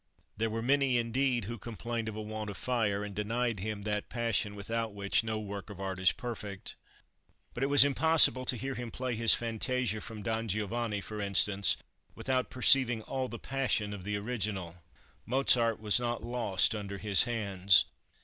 There were many, indeed, who complained of a want of fire, and denied him that passion without which no work of art is perfect. But it was impossible to hear him play his fantasia from "Don Giovanni," for instance, without perceiving all the passion of the original. Mozart was not lost under his hands.